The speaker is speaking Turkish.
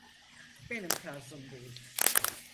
Benim tarzım değil.